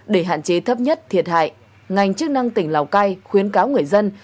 để hạn chế thấp nhất thiệt hại ngành chức năng tỉnh lào cai khuyến cáo người dân